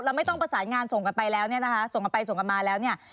ไม่ต้องประสานงานส่งกันไปแล้วเนี่ยนะคะส่งกันไปส่งกันมาแล้วเนี่ย